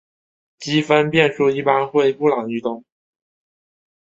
积分变数一般会布朗运动。